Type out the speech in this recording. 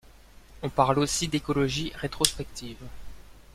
On parle aussi d'écologie rétrospective.